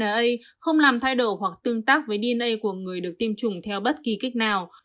ai không làm thay đổi hoặc tương tác với dna của người được tiêm chủng theo bất kỳ cách nào